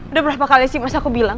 udah berapa kali sih mas aku bilang